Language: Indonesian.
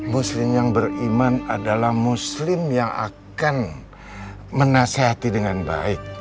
muslim yang beriman adalah muslim yang akan menasehati dengan baik